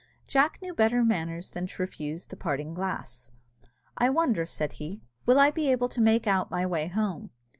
Jack knew better manners than to refuse the parting glass. "I wonder," said he, "will I be able to make out my way home?"